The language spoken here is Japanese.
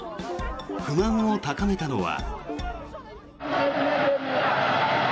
不満を高めたのは。